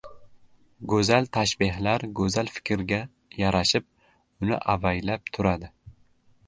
Go‘zal tashbehlar go‘zal fikrga yarashib, uni avaylab turadi.